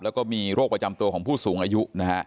แล้วก็มีโรคประจำตัวของผู้สูงอายุนะฮะ